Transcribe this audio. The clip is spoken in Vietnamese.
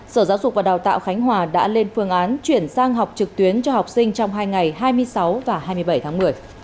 sở giáo dục và đào tạo khánh hòa đã lên phương án chuyển sang học trực tuyến cho học sinh trong hai ngày hai mươi sáu và hai mươi bảy tháng một mươi